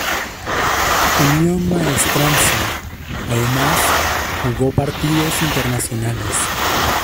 Unión Maestranza, además, jugó partidos internacionales.